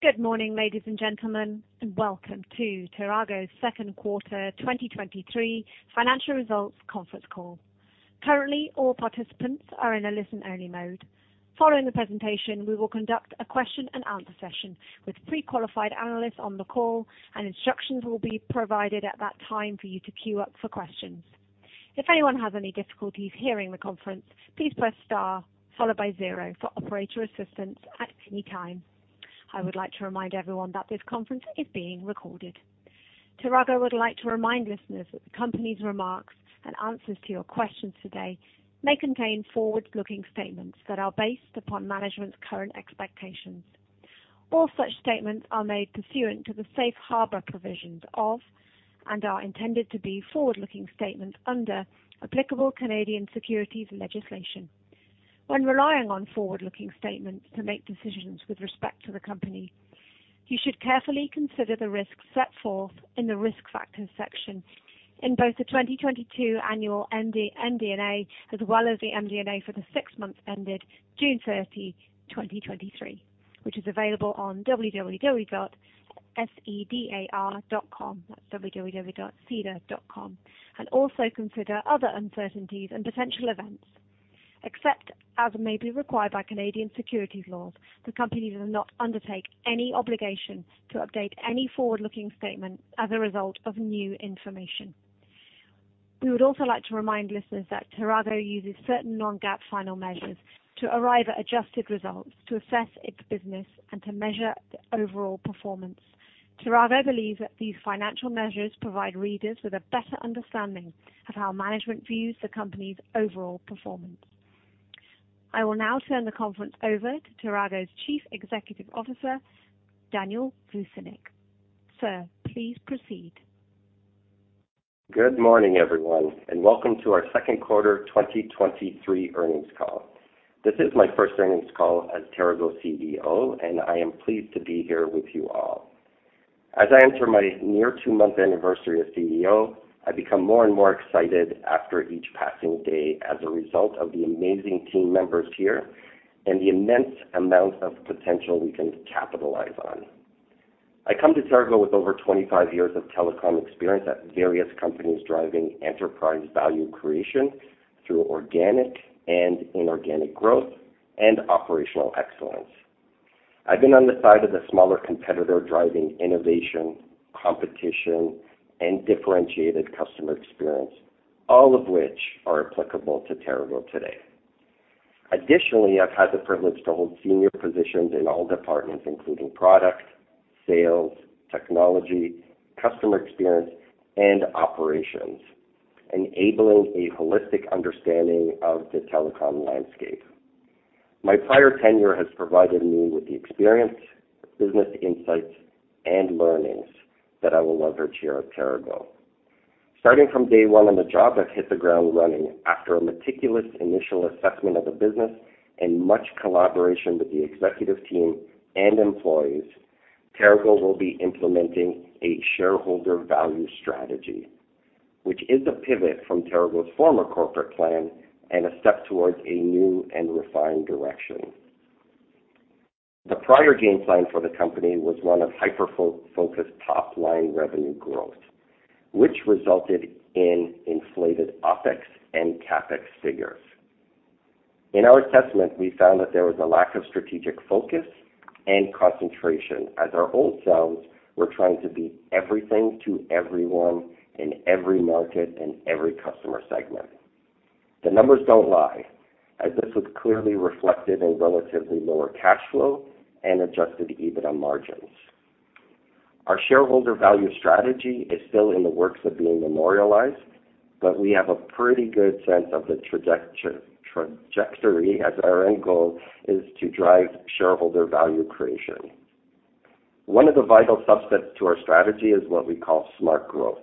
Good morning, ladies and gentlemen, and welcome to TERAGO's second quarter 2023 financial results conference call. Currently, all participants are in a listen-only mode. Following the presentation, we will conduct a question-and-answer session with pre-qualified analysts on the call. Instructions will be provided at that time for you to queue up for questions. If anyone has any difficulties hearing the conference, please press star followed by zero for operator assistance at any time. I would like to remind everyone that this conference is being recorded. TERAGO would like to remind listeners that the company's remarks and answers to your questions today may contain forward-looking statements that are based upon management's current expectations. All such statements are made pursuant to the safe harbor provisions of and are intended to be forward-looking statements under applicable Canadian securities legislation. When relying on forward-looking statements to make decisions with respect to the company, you should carefully consider the risks set forth in the Risk Factors section in both the 2022 annual MD&A, as well as the MD&A for the 6 months ended June 30th, 2023, which is available on www.sedar.com, that's www.sedar.com, and also consider other uncertainties and potential events. Except as may be required by Canadian securities laws, the company does not undertake any obligation to update any forward-looking statement as a result of new information. We would also like to remind listeners that Terago uses certain non-GAAP financial measures to arrive at adjusted results, to assess its business and to measure the overall performance. TERAGO believes that these financial measures provide readers with a better understanding of how management views the company's overall performance. I will now turn the conference over to TERAGO's Chief Executive Officer, Daniel Vucinic. Sir, please proceed. Good morning, everyone, and welcome to our Q2 2023 earnings call. This is my first earnings call as TERAGO CEO, and I am pleased to be here with you all. As I enter my near 2-month anniversary as CEO, I become more and more excited after each passing day as a result of the amazing team members here and the immense amount of potential we can capitalize on. I come to TERAGO with over 25 years of telecom experience at various companies, driving enterprise value creation through organic and inorganic growth and operational excellence. I've been on the side of the smaller competitor, driving innovation, competition, and differentiated customer experience, all of which are applicable to TERAGO today. Additionally, I've had the privilege to hold senior positions in all departments, including product, sales, technology, customer experience, and operations, enabling a holistic understanding of the telecom landscape. My prior tenure has provided me with the experience, business insights, and learnings that I will leverage here at TERAGO. Starting from day one on the job, I've hit the ground running. After a meticulous initial assessment of the business and much collaboration with the executive team and employees, TERAGO will be implementing a shareholder value strategy, which is a pivot from TERAGO's former corporate plan and a step towards a new and refined direction. The prior game plan for the company was one of focused top-line revenue growth, which resulted in inflated OpEx and CapEx figures. In our assessment, we found that there was a lack of strategic focus and concentration, as our old selves were trying to be everything to everyone in every market and every customer segment. The numbers don't lie, as this was clearly reflected in relatively lower cash flow and Adjusted EBITDA margins. Our shareholder value strategy is still in the works of being memorialized, but we have a pretty good sense of the trajectory, as our end goal is to drive shareholder value creation. One of the vital subsets to our strategy is what we call smart growth,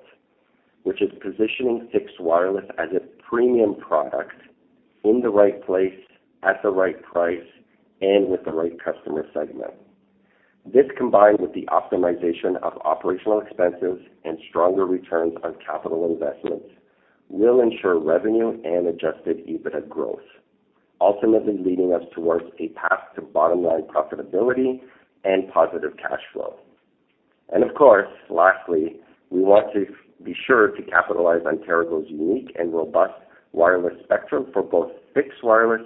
which is positioning fixed wireless as a premium product in the right place, at the right price, and with the right customer segment. This, combined with the optimization of operational expenses and stronger returns on capital investments, will ensure revenue and Adjusted EBITDA growth, ultimately leading us towards a path to bottom-line profitability and positive cash flow. Of course, lastly, we want to be sure to capitalize on TERAGO's unique and robust wireless spectrum for both fixed wireless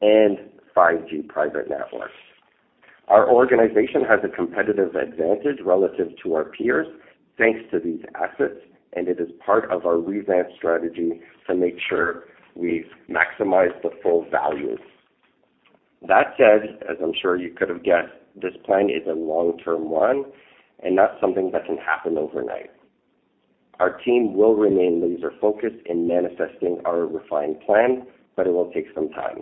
and 5G private networks. Our organization has a competitive advantage relative to our peers, thanks to these assets, and it is part of our revamped strategy to make sure we maximize the full value. That said, as I'm sure you could have guessed, this plan is a long-term one and not something that can happen overnight. Our team will remain laser-focused in manifesting our refined plan, but it will take some time.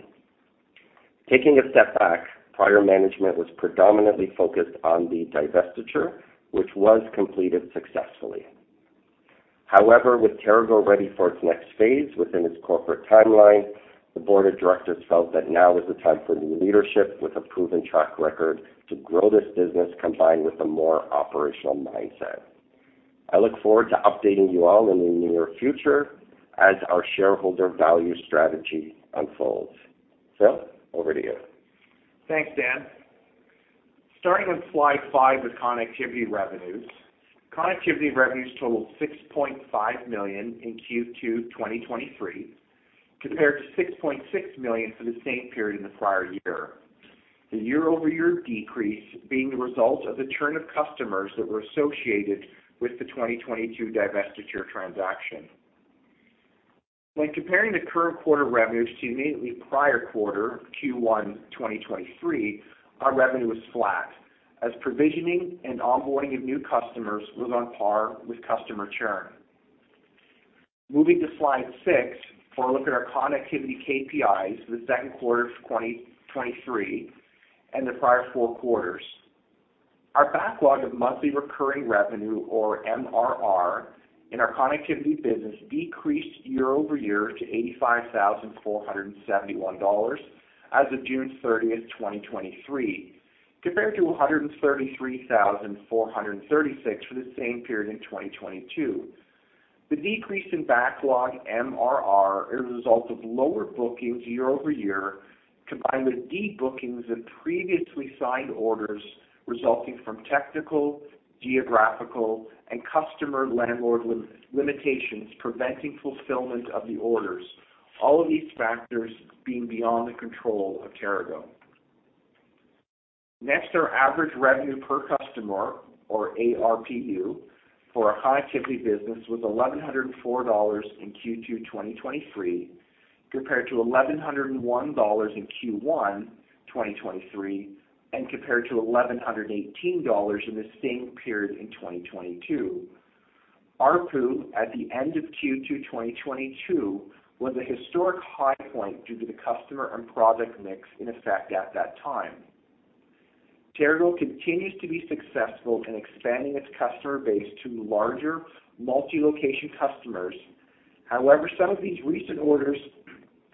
Taking a step back, prior management was predominantly focused on the divestiture, which was completed successfully. However, with TERAGO ready for its next phase within its corporate timeline, the board of directors felt that now is the time for new leadership with a proven track record to grow this business, combined with a more operational mindset. I look forward to updating you all in the near future as our shareholder value strategy unfolds. Phil, over to you. Thanks, Dan. Starting with slide five, with connectivity revenues. Connectivity revenues totaled 6.5 million in Q2 2023, compared to 6.6 million for the same period in the prior year. The year-over-year decrease being the result of the churn of customers that were associated with the 2022 divestiture transaction. When comparing the current quarter revenues to the immediately prior quarter, Q1 2023, our revenue was flat, as provisioning and onboarding of new customers was on par with customer churn. Moving to slide six, for a look at our connectivity KPIs for the second quarter of 2023 and the prior four quarters. Our backlog of monthly recurring revenue, or MRR, in our connectivity business, decreased year-over-year to $85,471 as of June 30th, 2023, compared to $133,436 for the same period in 2022. The decrease in backlog MRR is a result of lower bookings year-over-year, combined with debookings of previously signed orders, resulting from technical, geographical, and customer landlord limitations preventing fulfillment of the orders, all of these factors being beyond the control of TeraGo. Next, our average revenue per customer, or ARPU, for our connectivity business, was $1,104 in Q2 2023, compared to $1,101 in Q1 2023, and compared to $1,118 in the same period in 2022. ARPU at the end of Q2 2022, was a historic high point due to the customer and product mix in effect at that time. TeraGo continues to be successful in expanding its customer base to larger, multi-location customers. However, some of these recent orders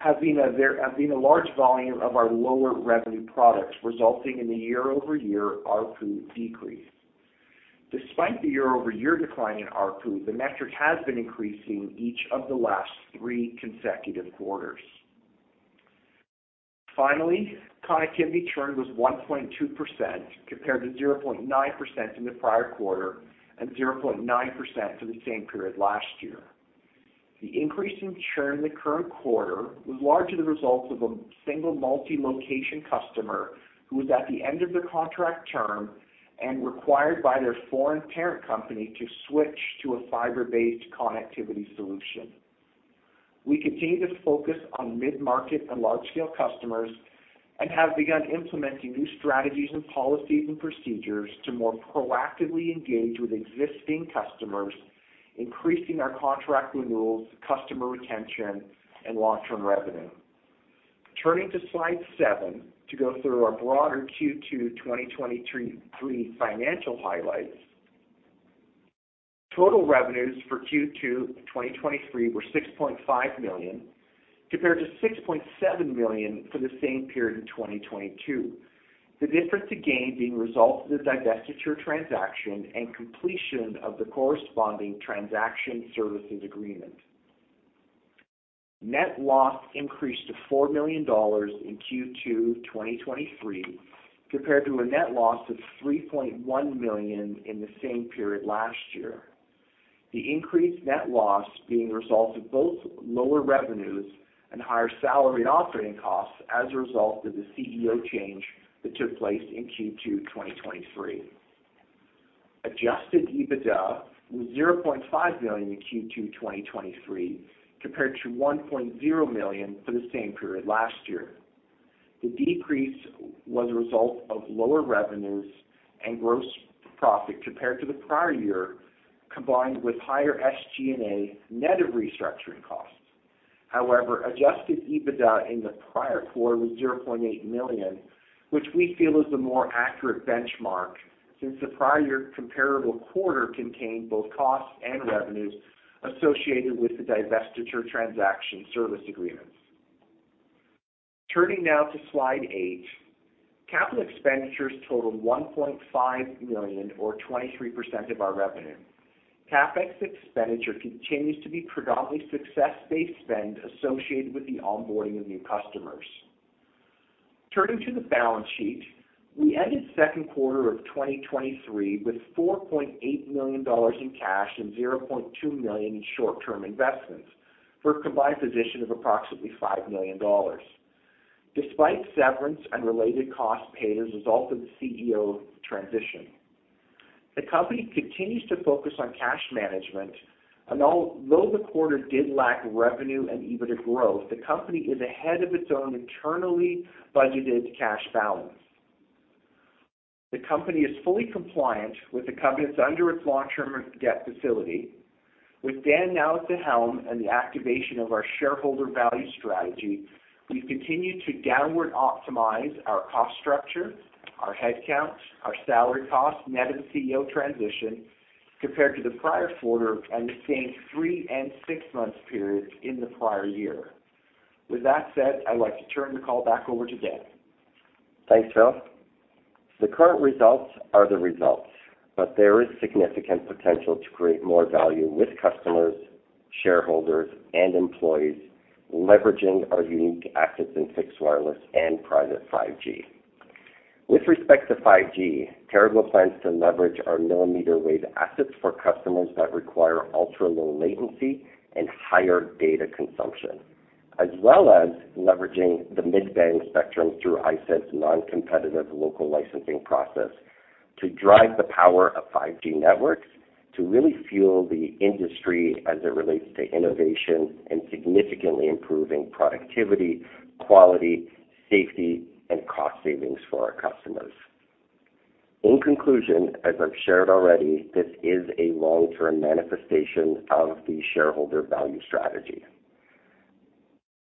have been a large volume of our lower revenue products, resulting in a year-over-year ARPU decrease. Despite the year-over-year decline in ARPU, the metric has been increasing in each of the last three consecutive quarters. Finally, connectivity churn was 1.2%, compared to 0.9% in the prior quarter and 0.9% for the same period last year. The increase in churn in the current quarter was largely the result of a single multi-location customer, who was at the end of their contract term and required by their foreign parent company to switch to a fiber-based connectivity solution. We continue to focus on mid-market and large-scale customers, and have begun implementing new strategies and policies and procedures to more proactively engage with existing customers, increasing our contract renewals, customer retention, and long-term revenue. Turning to slide seven, to go through our broader Q2 2023 financial highlights. Total revenues for Q2 2023 were $6.5 million, compared to $6.7 million for the same period in 2022. The difference again being the result of the divestiture transaction and completion of the corresponding transaction services agreement. Net loss increased to 4 million dollars in Q2 2023, compared to a net loss of 3.1 million in the same period last year. The increased net loss being the result of both lower revenues and higher salary and operating costs as a result of the CEO change that took place in Q2 2023. Adjusted EBITDA was 0.5 million in Q2 2023, compared to 1.0 million for the same period last year. The decrease was a result of lower revenues and gross profit compared to the prior year, combined with higher SG&A net of restructuring costs. However, Adjusted EBITDA in the prior quarter was 0.8 million, which we feel is the more accurate benchmark, since the prior year comparable quarter contained both costs and revenues associated with the divestiture transaction service agreements. Turning now to slide eight. Capital expenditures totaled $1.5 million, or 23% of our revenue. CapEx expenditure continues to be predominantly success-based spend associated with the onboarding of new customers. Turning to the balance sheet, we ended Q2 2023 with $4.8 million in cash and $0.2 million in short-term investments, for a combined position of approximately $5 million, despite severance and related costs paid as a result of the CEO transition. The company continues to focus on cash management, although the quarter did lack revenue and EBITDA growth, the company is ahead of its own internally budgeted cash balance. The company is fully compliant with the covenants under its long-term debt facility. With Dan now at the helm and the activation of our shareholder value strategy, we've continued to downward optimize our cost structure, our headcount, our salary costs, net of the CEO transition, compared to the prior quarter and the same three and six-month periods in the prior year. With that said, I'd like to turn the call back over to Dan. Thanks, Phil. The current results are the results, but there is significant potential to create more value with customers, shareholders, and employees, leveraging our unique assets in fixed wireless and private 5G. With respect to 5G, TeraGo plans to leverage our millimeter wave assets for customers that require ultra-low latency and higher data consumption, as well as leveraging the mid-band spectrum through ISED non-competitive local licensing process to drive the power of 5G networks to really fuel the industry as it relates to innovation and significantly improving productivity, quality, safety, and cost savings for our customers. In conclusion, as I've shared already, this is a long-term manifestation of the shareholder value strategy.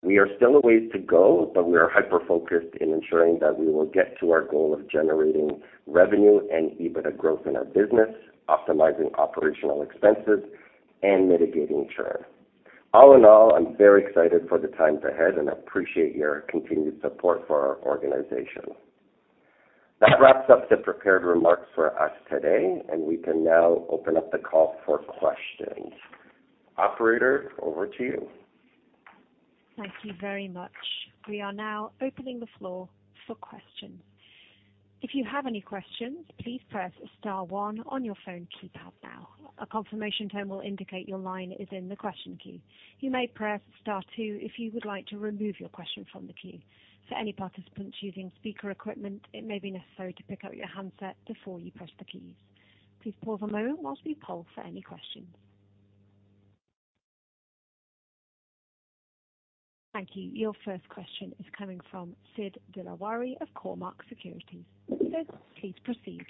We are still a ways to go, but we are hyper-focused in ensuring that we will get to our goal of generating revenue and EBITDA growth in our business, optimizing operational expenses, and mitigating churn. All in all, I'm very excited for the times ahead, and I appreciate your continued support for our organization. That wraps up the prepared remarks for us today, and we can now open up the call for questions. Operator, over to you. Thank you very much. We are now opening the floor for questions. If you have any questions, please press star one on your phone keypad now. A confirmation tone will indicate your line is in the question queue. You may press star two if you would like to remove your question from the queue. For any participants using speaker equipment, it may be necessary to pick up your handset before you press the keys. Please pause a moment whilst we poll for any questions. Thank you. Your first question is coming from Sid Dilawari of Cormark Securities. Sid, please proceed.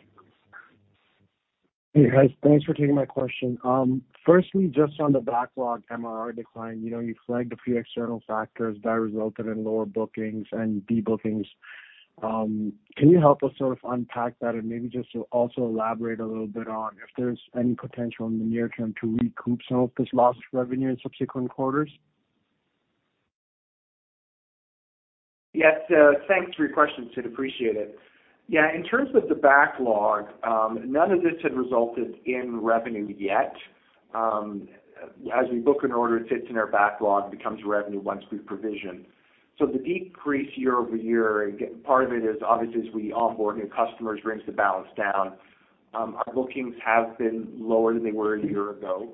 Hey, guys. Thanks for taking my question. Firstly, just on the backlog MRR decline, you know, you flagged a few external factors that resulted in lower bookings and debookings. Can you help us sort of unpack that and maybe just also elaborate a little bit on if there's any potential in the near term to recoup some of this lost revenue in subsequent quarters? Yes, thanks for your question, Sid. Appreciate it. Yeah, in terms of the backlog, none of this had resulted in revenue yet. As we book an order, it sits in our backlog, becomes revenue once we've provisioned. The decrease year-over-year, again, part of it is obviously as we off-board new customers, brings the balance down. Our bookings have been lower than they were a year ago.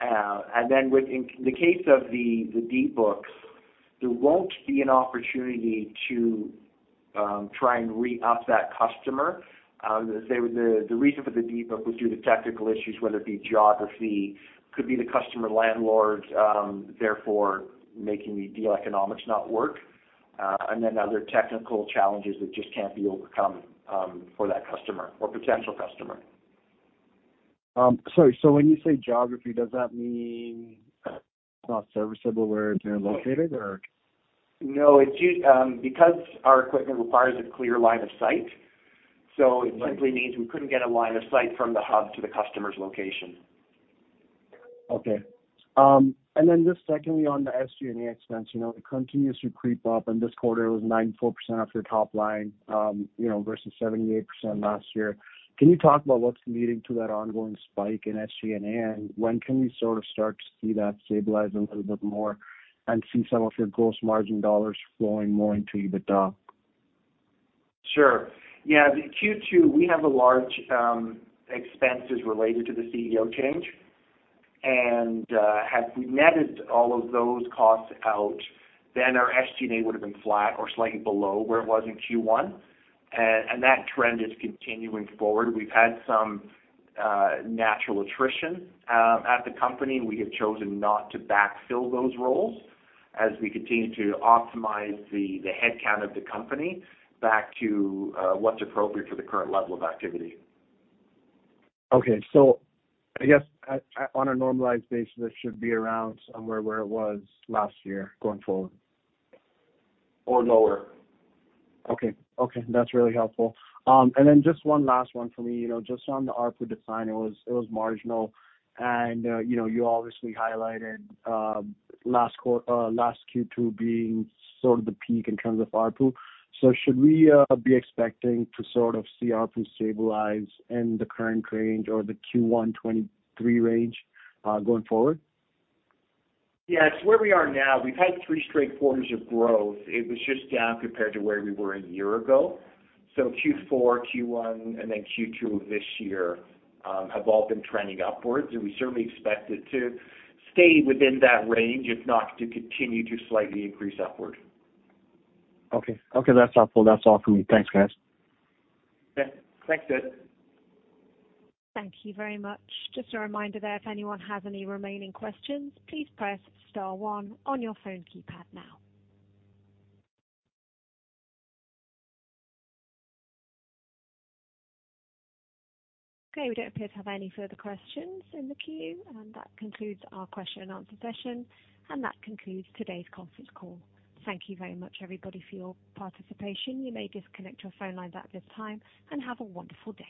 Then with in the case of the, the debooks, there won't be an opportunity to try and re-up that customer. Say, the, the reason for the debook was due to technical issues, whether it be geography, could be the customer landlord, therefore, making the deal economics not work, then other technical challenges that just can't be overcome for that customer or potential customer. Sorry. When you say geography, does that mean it's not serviceable where they're located, or? No, it's because our equipment requires a clear line of sight, so it simply means we couldn't get a line of sight from the hub to the customer's location. Okay. Then just secondly, on the SG&A expense, you know, it continues to creep up, and this quarter was 94% off your top line, you know, versus 78% last year. Can you talk about what's leading to that ongoing spike in SG&A, and when can we sort of start to see that stabilize a little bit more and see some of your gross margin dollars flowing more into EBITDA? Sure. Yeah, the Q2, we have a large expenses related to the CEO change, had we netted all of those costs out, then our SG&A would have been flat or slightly below where it was in Q1. That trend is continuing forward. We've had some natural attrition at the company. We have chosen not to backfill those roles as we continue to optimize the headcount of the company back to what's appropriate for the current level of activity. Okay. I guess, on a normalized basis, this should be around somewhere where it was last year going forward? Lower. Okay. Okay, that's really helpful. Then just one last one for me. You know, just on the ARPU decline, it was, it was marginal. You know, you obviously highlighted last Q2 being sort of the peak in terms of ARPU. Should we be expecting to sort of see ARPU stabilize in the current range or the Q1 2023 range going forward? Yes. Where we are now, we've had three straight quarters of growth. It was just down compared to where we were a year ago. Q4, Q1, and then Q2 of this year have all been trending upwards, and we certainly expect it to stay within that range, if not to continue to slightly increase upward. Okay. Okay, that's helpful. That's all for me. Thanks, guys. Yeah. Thanks, Sid. Thank you very much. Just a reminder there, if anyone has any remaining questions, please press star one on your phone keypad now. Okay, we don't appear to have any further questions in the queue, and that concludes our question-and-answer session, and that concludes today's conference call. Thank you very much, everybody, for your participation. You may disconnect your phone lines at this time, and have a wonderful day.